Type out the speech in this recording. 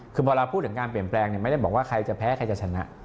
คือพอเราพูดถึงการเปลี่ยนแปลงไม่ได้บอกว่าใครจะแพ้ใครจะชนะ